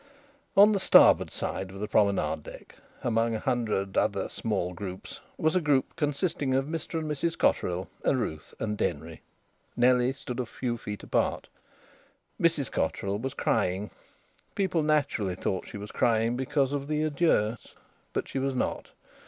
On the starboard side of the promenade deck, among a hundred other small groups, was a group consisting of Mr and Mrs Cotterill and Ruth and Denry. Nellie stood a few feet apart, Mrs Cotterill was crying. People naturally thought she was crying because of the adieux; but she was not.